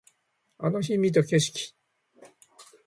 あの日見た景色